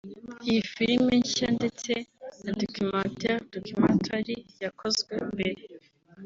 iyi film nshya ndetse na documentaire/documentary yakozwe mbere